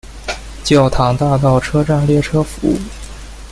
教堂大道车站列车服务。